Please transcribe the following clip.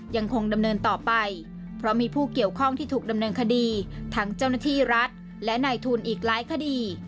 ยังคงดำเนินต่อไปเพราะมีผู้เกี่ยวข้องที่ถูกดำเนินคดีทั้งเจ้าหน้าที่รัฐและนายทุนอีกหลายคดี